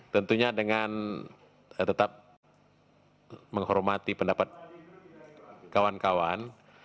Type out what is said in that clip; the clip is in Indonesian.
tentunya dengan tetap menghormati pendapat kawan kawan